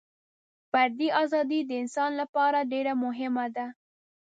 فردي ازادي د انسان لپاره ډېره مهمه ده.